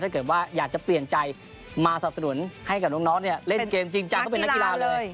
ถ้าเกิดว่าอยากจะเปลี่ยนใจมาสนับสนุนให้กับน้องเนี่ยเล่นเกมจริงจังก็เป็นนักกีฬาเลย